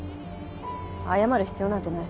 謝る必要なんてない。